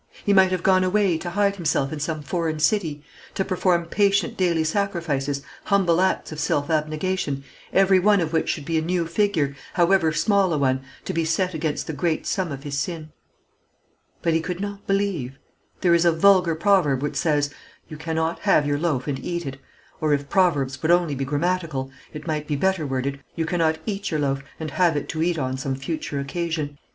He might have gone away to hide himself in some foreign city, to perform patient daily sacrifices, humble acts of self abnegation, every one of which should be a new figure, however small a one, to be set against the great sum of his sin. But he could not believe. There is a vulgar proverb which says, "You cannot have your loaf and eat it;" or if proverbs would only be grammatical, it might be better worded, "You cannot eat your loaf, and have it to eat on some future occasion."